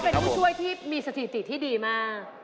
เป็นผู้ช่วยที่มีสถิติที่ดีมาก